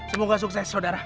semoga sukses saudara